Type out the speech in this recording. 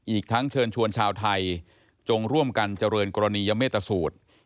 อีกทั้งเชิญชวนชาวไทยจงร่วมกันเจริญกรณียเมตตสูตร